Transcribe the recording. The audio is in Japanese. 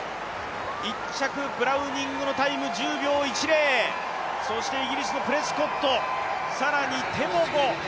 １着、ブラウニングのタイム１０秒１０そしてイギリスのプリスコッド、更にテボゴ。